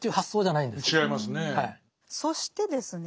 そしてですね